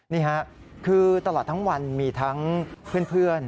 นี่ค่ะคือตลอดทั้งวันมีทั้งเพื่อน